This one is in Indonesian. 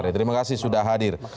terima kasih sudah hadir